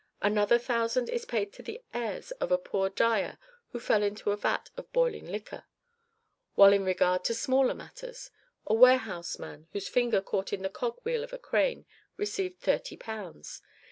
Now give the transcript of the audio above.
Another thousand is paid to the heirs of a poor dyer who fell into a vat of boiling liquor; while, in regard to smaller matters, a warehouseman, whose finger caught in the cog wheel of a crane, received 30 pounds.